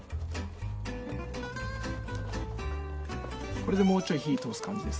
これでもうちょい火通す感じです。